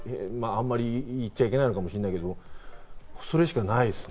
あまり言っちゃいけないのかもしれないけど、それしかないですね。